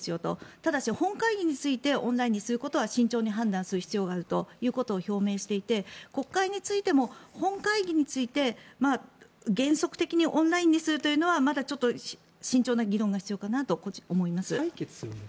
ただ、本会議についてオンラインにすることは慎重に判断する必要があるということを表明していて、国会についても本会議について原則的にオンラインにするというのはまだ慎重な議論が必要かなと思います。